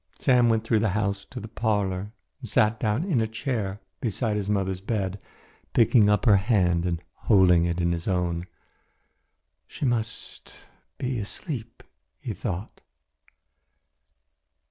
Sam went through the house to the parlour and sat down in a chair beside his mother's bed, picking up her hand and holding it in his own. "She must be asleep," he thought.